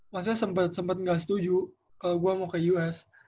maksudnya sempet gak setuju kalau gue mau ke us